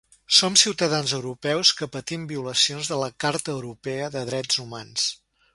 Som ciutadans europeus que patim violacions de la carta europea de drets humans.